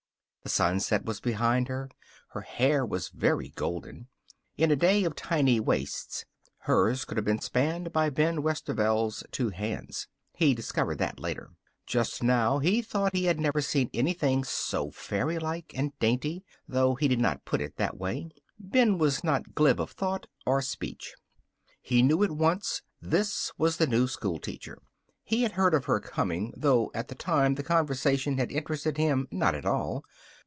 The sunset was behind her. Her hair was very golden. In a day of tiny waists hers could have been spanned by Ben Westerveld's two hands. He discovered that later. Just now he thought he had never seen anything so fairylike and dainty, though he did not put it that way. Ben was not glib of thought or speech. He knew at once this was the new schoolteacher. He had heard of her coming, though at the time the conversation had interested him not at all.